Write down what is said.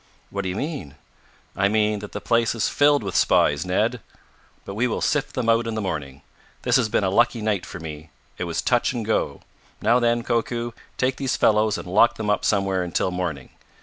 "What do you mean?" "I mean that the place is filled with spies, Ned! But we will sift them out in the morning. This has been a lucky night for me. It was touch and go. Now, then, Koku, take these fellows and lock them up somewhere until morning.